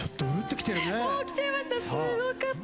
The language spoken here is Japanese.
すごかった。